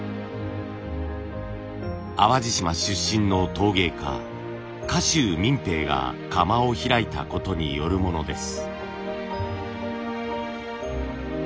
淡路島出身の陶芸家賀集平が窯を開いたことによるものです。